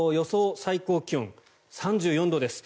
最高気温３４度です。